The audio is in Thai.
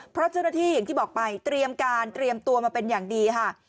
เพราะเจ้าหน้าที่อย่างที่บอกไปเตรียมการเตรียมตัวมาเป็นอย่างดีค่ะ